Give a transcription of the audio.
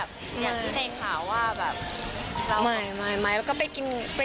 พี่น้องกันค่ะหรือไม่ได้แบบอยากขึ้นกับไหนเขาว่าแบบ